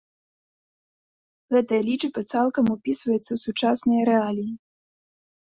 Гэтая лічба цалкам упісваецца ў сучасныя рэаліі.